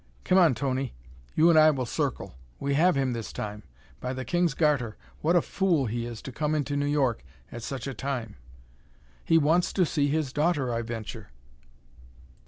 "Come on, Tony. You and I will circle. We have him, this time. By the King's garter, what a fool he is to come into New York at such a time!" "He wants to see his daughter, I venture."